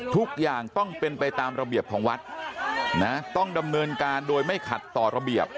ทุกอย่างต้องเป็นไปตามระเบียบของวัดนะต้องดำเนินการโดยไม่ขัดต่อระเบียบ